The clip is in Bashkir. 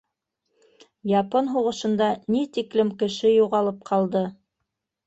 — Япон һуғышында ни тиклем кеше юғалып ҡалды.